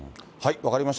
分かりました。